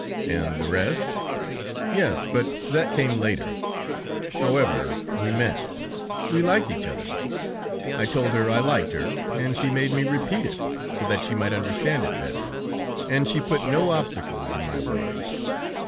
"And the rest?" "Yes, but that came later. However, we met, we liked each other. I told her I liked her, and she made me repeat it, so that she might understand it better, and she put no obstacles in my way."